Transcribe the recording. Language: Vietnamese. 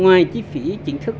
ngoài chi phí chính thức